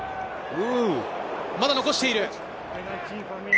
まだ残している。